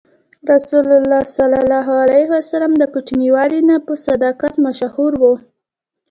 رسول الله ﷺ د کوچنیوالي نه په صداقت مشهور و.